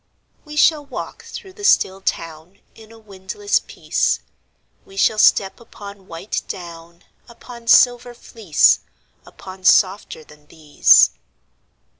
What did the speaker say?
We shall walk through the still town In a windless peace; We shall step upon white down, Upon silver fleece, Upon softer than these.